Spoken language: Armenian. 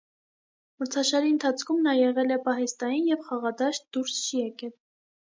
Մրցաշարի ընթացքում նա եղել է պահեստային և խաղադաշտ դուրս չի եկել։